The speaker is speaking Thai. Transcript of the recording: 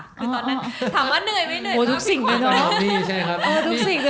คือตอนนั้นถามว่าเหนื่อยไม่เหนื่อย